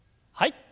はい。